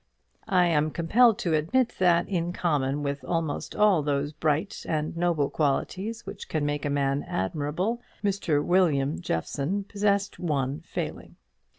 I am compelled to admit that, in common with almost all those bright and noble qualities which can make man admirable, Mr. William Jeffson possessed one failing.